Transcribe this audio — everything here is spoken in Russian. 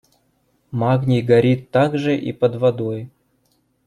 Магний горит также и под водой.